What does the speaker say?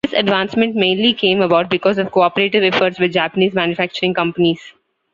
This advancement mainly came about because of cooperative efforts by Japanese manufacturing companies.